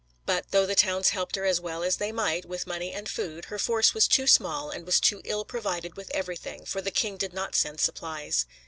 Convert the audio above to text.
But, though the towns helped her as well as they might with money and food, her force was too small and was too ill provided with everything, for the king did not send supplies.